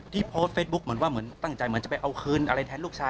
ที่โพสต์เฟซบุ๊กเหมือนว่าตั้งใจจะไปเอาคืนอะไรแทนลูกชาย